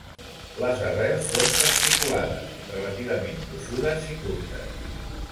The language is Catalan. Les arrels són fasciculades, relativament gruixudes i curtes.